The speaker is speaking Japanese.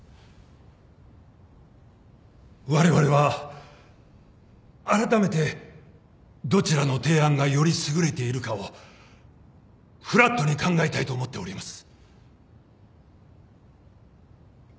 われわれはあらためてどちらの提案がより優れているかをフラットに考えたいと思っております。